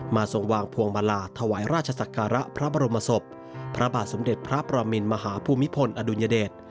ทรงวางพวงมาลาถวายราชศักระพระบรมศพพระบาทสมเด็จพระประมินมหาภูมิพลอดุลยเดช